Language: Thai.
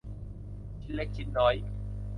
ชิ้นเล็กชิ้นน้อย